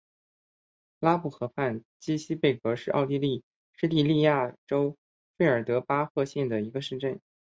拉布河畔基希贝格是奥地利施蒂利亚州费尔德巴赫县的一个市镇。